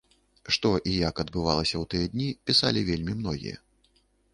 Што і як адбывалася ў тыя дні, пісалі вельмі многія.